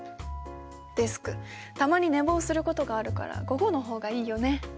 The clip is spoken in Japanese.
デスクたまに寝坊することがあるから午後の方がいいよね。